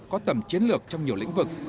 có tầm chiến lược trong nhiều lĩnh vực